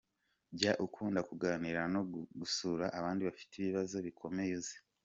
Jya ukunda kuganira no gusura abandi bafite ibibazo bikomeye uzi.